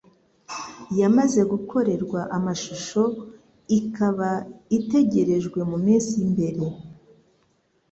yamaze gukorerwa amashusho ikaba itegerejwe mu minsi mbere